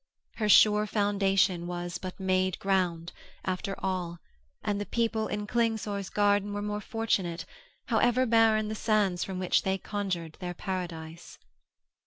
Her sure foundation was but made ground, after all, and the people in Klingsor's garden were more fortunate, however barren the sands from which they conjured their paradise.